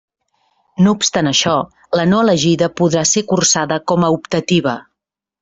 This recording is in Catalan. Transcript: No obstant això, la no elegida podrà ser cursada com a optativa.